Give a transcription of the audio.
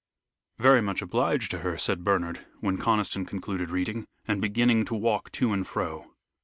"Very much obliged to her," said Bernard, when Conniston concluded reading, and beginning to walk to and fro.